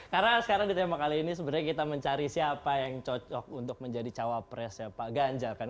karena sekarang di tema kali ini sebenarnya kita mencari siapa yang cocok untuk menjadi cawapres ya pak ganja kan